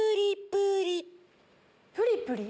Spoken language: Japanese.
プリプリ？